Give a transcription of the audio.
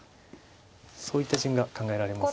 そういった順が考えられます。